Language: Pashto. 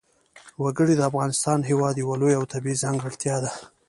وګړي د افغانستان هېواد یوه لویه او طبیعي ځانګړتیا ده.